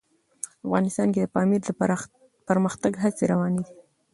افغانستان کې د پامیر د پرمختګ هڅې روانې دي.